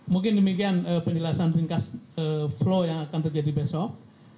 mungkin demikian penjelasan ringkas flow yang akan terjadi besok